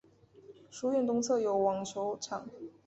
书院东侧有网球场。